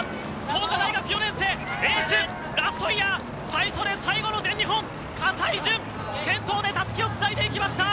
創価大学４年生エース、ラストイヤー最初で最後の全日本葛西潤、先頭でたすきをつないでいきました！